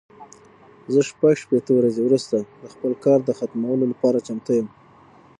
زه شپږ شپېته ورځې وروسته د خپل کار د ختمولو لپاره چمتو یم.